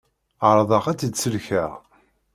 Ԑerḍeɣ ad tt-id-sellkeɣ.